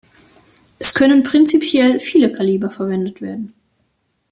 Es können prinzipiell viele Kaliber verwendet werden.